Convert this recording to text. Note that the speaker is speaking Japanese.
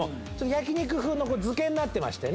焼き肉風の漬けになってまして。